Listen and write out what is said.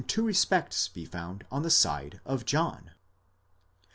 two respects be found on the side of John.